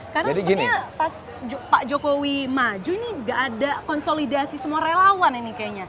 karena sepertinya pas pak jokowi maju ini gak ada konsolidasi semua relawan ini kayaknya